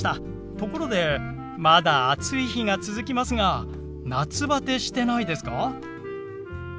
ところでまだ暑い日が続きますが夏バテしてないですか？